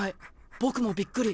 僕もびっくり。